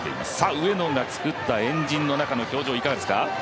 上野が作った円陣の中の表情いかがですか？